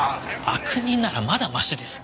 悪人ならまだマシです。